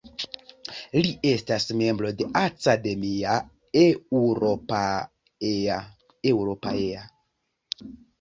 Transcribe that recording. Li estas membro de Academia Europaea.